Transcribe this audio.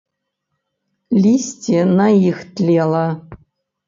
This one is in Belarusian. Лісце на іх тлела.